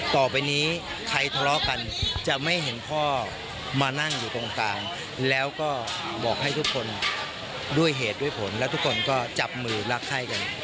ต่อไปนี้ใครทะเลาะกันจะไม่เห็นพ่อมานั่งอยู่ตรงกลางแล้วก็บอกให้ทุกคนด้วยเหตุด้วยผลและทุกคนก็จับมือรักไข้กัน